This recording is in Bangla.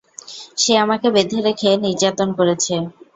সে আমাকে বেঁধে রেখে, নির্যাতন করেছে।